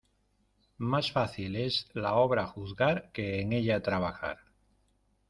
Más fácil es la obra juzgar que en ella trabajar.